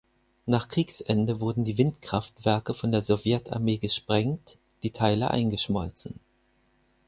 Nach Kriegsende wurden die Windkraftwerke von der Sowjetarmee gesprengt, die Teile eingeschmolzen.